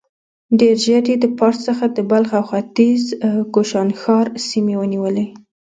ډېر ژر يې د پارس څخه د بلخ او ختيځ کوشانښار سيمې ونيولې.